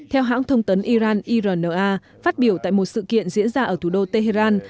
theo hãng thông tấn iran irna phát biểu tại một sự kiện diễn ra ở thủ đô tehran